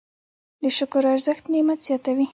د شکر ارزښت نعمت زیاتوي.